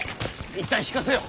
一旦引かせよ。